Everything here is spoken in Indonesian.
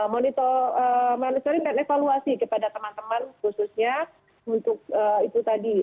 monitoring dan evaluasi kepada teman teman khususnya untuk itu tadi